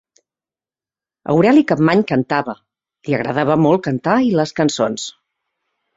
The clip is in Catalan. Aureli Capmany cantava, li agradava molt cantar i les cançons.